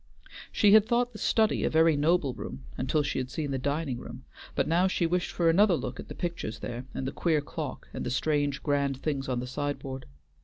She had thought the study a very noble room until she had seen the dining room, but now she wished for another look at the pictures there and the queer clock, and the strange, grand things on the sideboard.